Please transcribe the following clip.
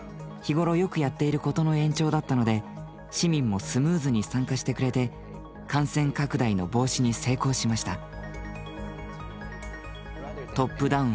日頃よくやっていることの延長だったので市民もスムーズに参加してくれて感染拡大の防止に成功しました。